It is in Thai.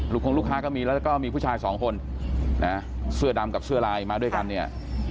คงลูกค้าก็มีแล้วก็มีผู้ชายสองคนนะเสื้อดำกับเสื้อลายมาด้วยกันเนี่ย